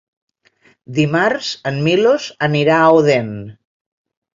Dimarts en Milos anirà a Odèn.